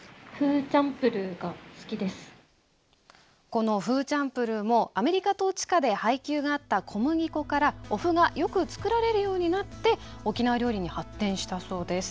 このフーチャンプルーもアメリカ統治下で配給があった小麦粉からおふがよく作られるようになって沖縄料理に発展したそうです。